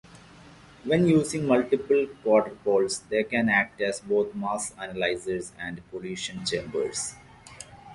When using multiple quadrupoles, they can act as both mass analyzers and collision chambers.